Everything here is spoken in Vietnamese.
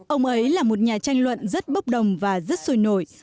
ông ấy là một nhà tranh luận rất bất đồng và rất sôi nổi